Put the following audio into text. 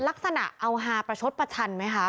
ลักษณะเอาฮาประชดประชันไหมคะ